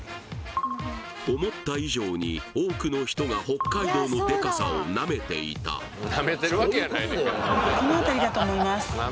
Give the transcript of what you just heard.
思った以上に多くの人が北海道のデカさをナメていたこの辺りだと思います